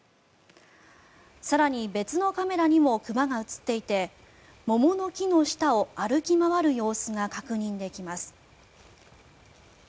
更に別のカメラにも熊が映っていて桃の木の下を歩き回る様子も確認できます。